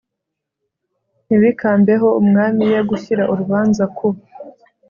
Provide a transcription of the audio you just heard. ntibikambeho umwami ye gushyira urubanza ku